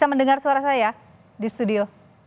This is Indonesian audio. bisa mendengar suara saya di studio